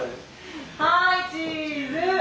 はいチーズ！